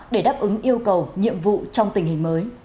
để đáp ứng yêu cầu nhiệm vụ trong tình hình mới